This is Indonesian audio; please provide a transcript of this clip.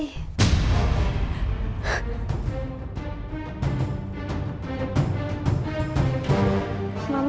mama pergi ke mama